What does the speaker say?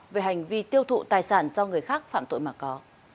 về hành vi tiêu thụ tài sản do người khác phạm tội mà có